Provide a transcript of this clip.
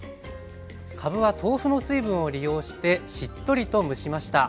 かぶは豆腐の水分を利用してしっとりと蒸しました。